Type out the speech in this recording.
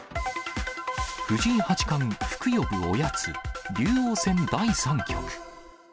藤井八冠、福呼ぶおやつ、竜王戦第３局。